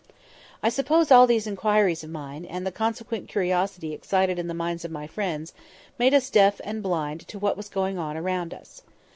I suppose all these inquiries of mine, and the consequent curiosity excited in the minds of my friends, made us blind and deaf to what was going on around us.